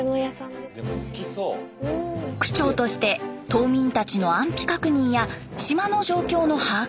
区長として島民たちの安否確認や島の状況の把握